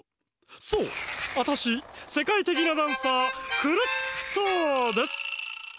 そうアタシせかいてきなダンサークルットです！